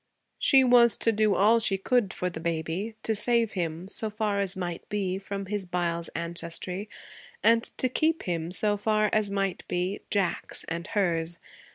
She was to do all she could for the baby: to save him, so far as might be, from his Byles ancestry, and to keep him, so far as might be, Jack's and hers.